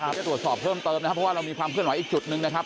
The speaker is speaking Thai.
จะตรวจสอบเพิ่มเติมนะครับเพราะว่าเรามีความเคลื่อนไหวอีกจุดหนึ่งนะครับ